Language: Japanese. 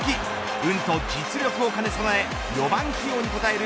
運と実力を兼ね備え４番起用に応える